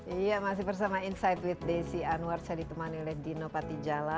iya masih bersama insight with desi anwar saya ditemani oleh dino patijala